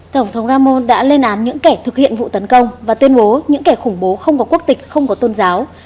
tổng thống ramon đã lên án những kẻ thực hiện vụ tấn công và tuyên bố những kẻ khủng bố không có quốc tịch không có tôn giáo